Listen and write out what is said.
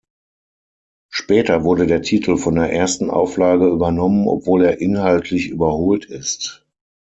Später wurde der Titel von der ersten Auflage übernommen, obwohl er inhaltlich überholt ist.